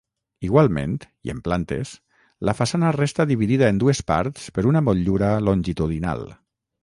Igualment, i en plantes, la façana resta dividida en dues parts per una motllura longitudinal.